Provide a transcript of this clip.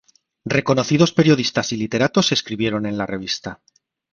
Reconocidos periodistas y literatos escribieron en la revista.